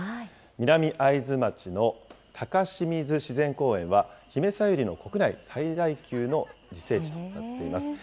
南会津町の高清水自然公園は、ヒメサユリの国内最大級の自生地となっています。